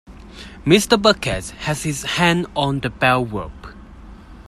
Mr. Bucket has his hand on the bell-rope.